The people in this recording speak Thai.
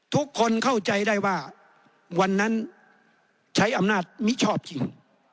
ทุกคนเข้าใจได้ว่าวันนั้นใช้อำนาจมิชอบจริง